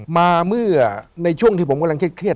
มาเมื่อในช่วงที่ผมกำลังเครียด